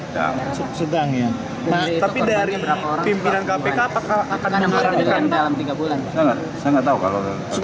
tapi dari pimpinan kpk